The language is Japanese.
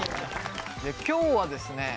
今日はですね